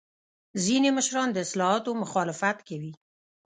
ځینې مشران د اصلاحاتو مخالفت کوي.